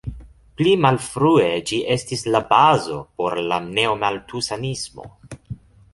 Pli malfrue ĝi estis la bazo por la neomaltusanismo.